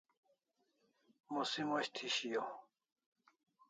Musim osh thi shiau